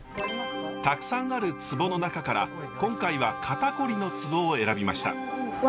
たくさんあるツボの中から今回は肩こりのツボを選びました。